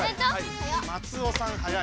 松尾さん早い。